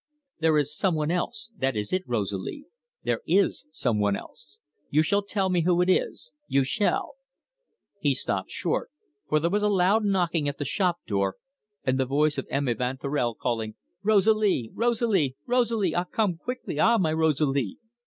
"There is some one else that is it, Rosalie. There is some one else. You shall tell me who it is. You shall " He stopped short, for there was a loud knocking at the shop door, and the voice of M. Evanturel calling: "Rosalie! Rosalie! Rosalie! Ah, come quickly ah, my Rosalie!"